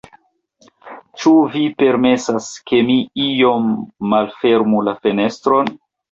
Ĉu vi permesas, ke mi iom malfermu la fenestron?